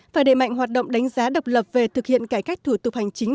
phải đề mạnh hoạt động đánh giá độc lập về thực hiện cải cách thủ tục hành chính